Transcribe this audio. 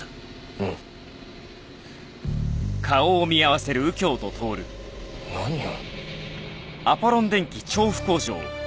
うん。何よ。